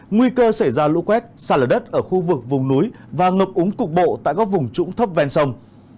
nguy cơ xảy ra lũ quét xa lở đất ở khu vực vùng núi và ngập úng cục bộ tại các vùng trũng thấp ven sông